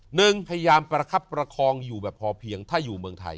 หนึ่งพยายามประคับประคองอยู่แบบพอเพียงถ้าอยู่เมืองไทย